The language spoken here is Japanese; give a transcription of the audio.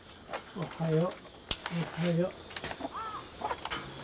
おはよう。